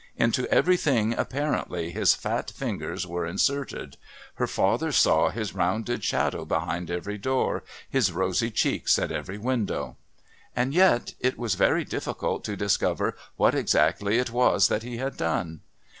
Into everything apparently his fat fingers were inserted; her father saw his rounded shadow behind every door, his rosy cheeks at every window. And yet it was very difficult to discover what exactly it was that he had done!